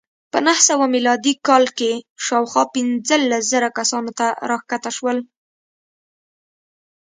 په نهه سوه میلادي کال کې شاوخوا پنځلس زره کسانو ته راښکته شول